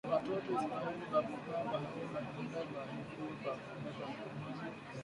Batoto ya isiraheli balivukaka bahari nyekundu lwa mukulu pa kwenda kanani